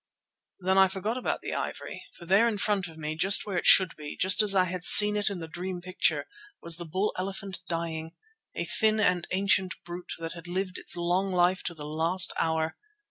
Then I forgot about the ivory, for there in front of me, just where it should be, just as I had seen it in the dream picture, was the bull elephant dying, a thin and ancient brute that had lived its long life to the last hour.